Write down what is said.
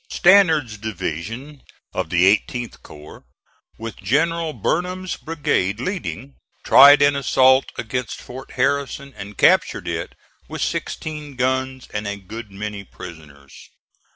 Stannard's division of the 18th corps with General Burnham's brigade leading, tried an assault against Fort Harrison and captured it with sixteen guns and a good many prisoners.